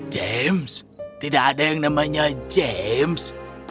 james tidak ada yang namanya james